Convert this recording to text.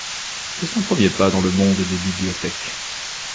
C’est son premier pas dans le monde des bibliothèques.